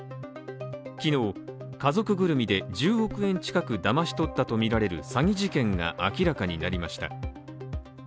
昨日、家族ぐるみで１０億円近くだまし取ったとみられる詐欺事件が明らかになりました。